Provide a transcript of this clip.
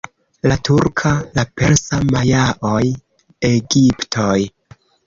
La turka, la persa, majaoj, egiptoj.